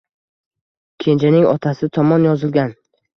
Kenjaning otasi tomon yozilgan